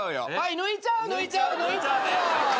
抜いちゃう。